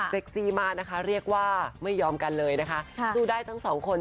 ซีมานะคะเรียกว่าไม่ยอมกันเลยนะคะสู้ได้ทั้งสองคน